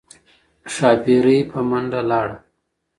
ښاپیرۍ په منډه لاړه